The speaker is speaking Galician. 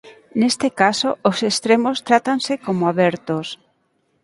Neste caso os extremos trátanse como abertos.